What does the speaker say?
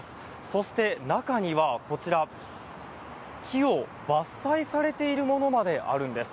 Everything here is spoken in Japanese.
そして、中にはこちら木を伐採されているものまであるんです。